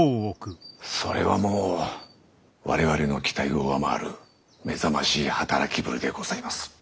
それはもう我々の期待を上回る目覚ましい働きぶりでございます。